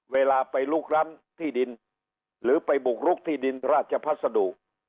เวลาไปลุกล้ำที่ดินหรือไปบุกรุกที่ดินราชพัสดุ